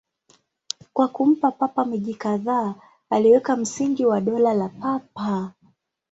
Kwa kumpa Papa miji kadhaa, aliweka msingi wa Dola la Papa.